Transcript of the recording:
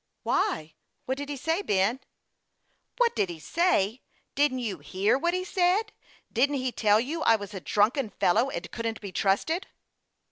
" Why, what did he say, Ben ?"" What did he say ! Didn't you hear what he said ? Didn't he tell you I was a drunken fellow, and couldn't be trusted